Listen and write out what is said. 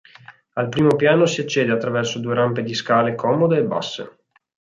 Al primo piano si accede attraverso due rampe di scale comode e basse.